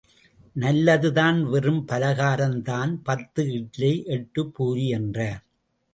நல்லதுதான் வெறும் பலகாரம்தான் பத்து இட்லி எட்டுப் பூரி என்றார்.